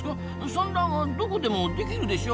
産卵はどこでもできるでしょ。